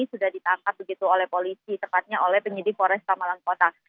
sudah ditangkap begitu oleh polisi tepatnya oleh penyidik polresta malang kota